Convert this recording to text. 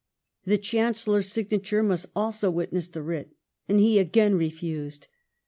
The Chancel lor's signature must also witness the writ, and he again refused.